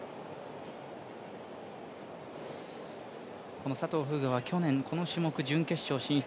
この佐藤風雅は去年、この種目、準決勝進出。